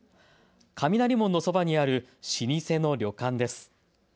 雷門のそばにある老舗の旅館です。